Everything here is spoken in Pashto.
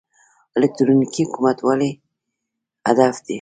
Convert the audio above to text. الکترونیکي حکومتولي هدف دی